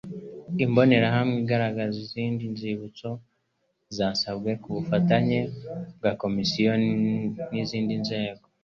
Imbonerahamwe igaragaza izindi nzibutso za sanwe ku bufatanye bwa Komisiyo n’izindi nzego